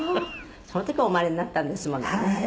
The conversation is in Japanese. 「その時お生まれになったんですものね」